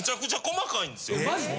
マジで？